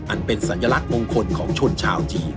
อันเป็นสัญลักษณ์มงคลของชนชาวจีน